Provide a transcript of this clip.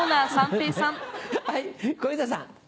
はい小遊三さん。